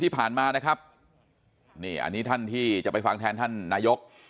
ที่ผ่านมานะครับนี่อันนี้ท่านที่จะไปฟังแทนท่านนายก